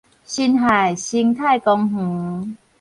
辛亥生態公園